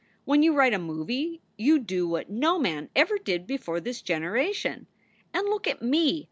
When you write a movie you do what no man ever did before this generation. And look at me.